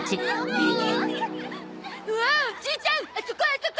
おおじいちゃんあそこあそこ！